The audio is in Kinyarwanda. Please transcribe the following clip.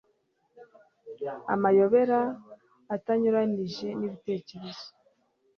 amayobera atanyuranyije n'ibitekerezo